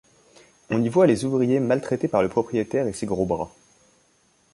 On y voit les ouvriers maltraités par le propriétaire et ses gros bras.